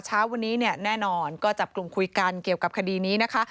เช้าวันนี้แน่นอนก็จะปรุงคุยกันเกี่ยวกับคดีนี้นะคะ